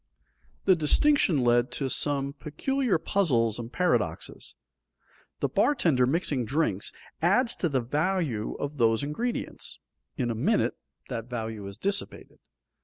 The distinction led to some peculiar puzzles and paradoxes. The bartender mixing drinks, adds to the value of those ingredients; in a minute that value is dissipated.